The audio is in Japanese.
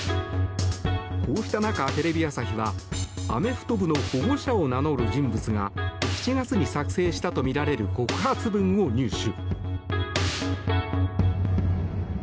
こうした中、テレビ朝日はアメフト部の保護者を名乗る人物が去年７月に作成したとみられる告発文を入手。